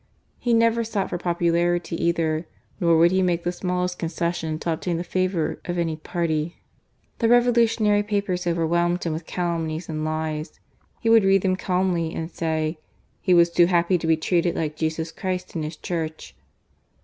He never sought for popularity either; nor would he make the smallest concession to obtain the favour of any party. The revolutionary papers overwhelmed him with calumnies and lies. He would read them calmly, and say "he was too happy to be treated like Jesus Christ and His Church."